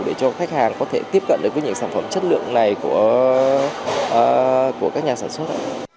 để cho khách hàng có thể tiếp cận được với những sản phẩm chất lượng này của các nhà sản xuất